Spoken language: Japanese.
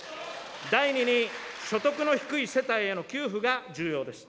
第二に、所得の低い世帯への給付が重要です。